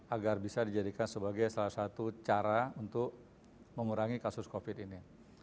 agar bisa dijadikan sebagai salah satu cara untuk mengurangi kasus covid ini